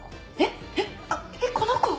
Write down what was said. えっえっこの子？